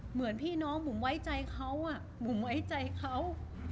เหมือนพี่น้องบุ๋มไว้ใจเขาบุ๋มไว้ใจเขา